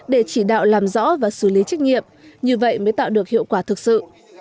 để chỉ đạo làm rõ và xử lý trách nhiệm như vậy mới tạo được hiệu quả thực sự